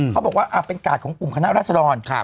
เขาบอกว่าเป็นกาดของกลุ่มคณะรัศดร